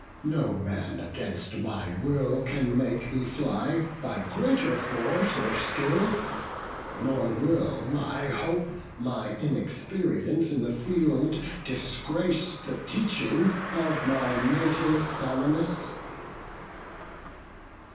No man against my will can make me fly, By greater force or skill; nor will, I hope, My inexperience in the field disgrace The teaching of my native Salamis."